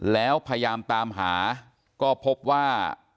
แล้วพยายามตามหาก็พบว่า